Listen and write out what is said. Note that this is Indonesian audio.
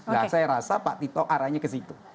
nah saya rasa pak tito arahnya ke situ